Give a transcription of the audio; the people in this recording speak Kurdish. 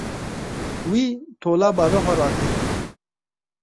Wî tola bavê xwe rakir.